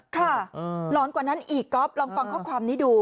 หลอนกว่านั้นอีกก๊อฟลองฟังข้อความนี้ดู